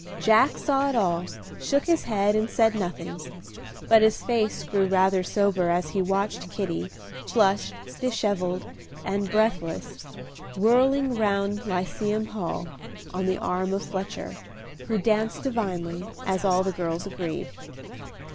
Jack saw it all, shook his head and said nothing; but his face grew rather sober as he watched Kitty, flushed, dishevelled, and breathless, whirling round Lyceum Hall, on the arm of Fletcher, who danced divinely, as all the girls agreed.